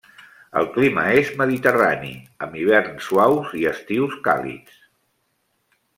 El clima és mediterrani, amb hiverns suaus i estius càlids.